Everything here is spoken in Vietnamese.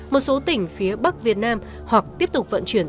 một số tỉnh phía bắc việt nam hoặc tiếp tục vận chuyển